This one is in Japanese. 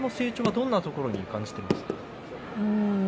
どんなところに感じますか？